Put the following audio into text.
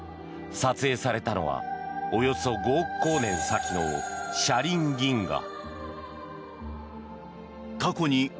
撮影されたのはおよそ５億光年先の車輪銀河。